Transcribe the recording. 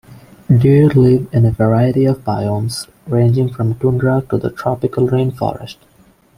Deer live in a variety of biomes, ranging from tundra to the tropical rainforest.